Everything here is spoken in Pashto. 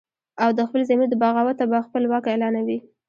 او د خپل ضمیر د بغاوته به خپل واک اعلانوي